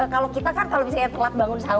kalau kita kan kalau misalnya telat bangun sahur